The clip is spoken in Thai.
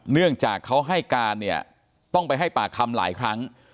เนื่องจากเขาให้การเนี่ยต้องไปให้ปากคำหลายครั้ง